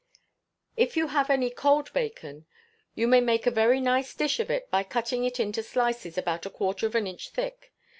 If you have any cold bacon, you may make a very nice dish of it by cutting it into slices about a quarter of an inch thick.